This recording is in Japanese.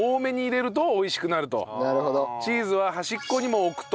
なるほど。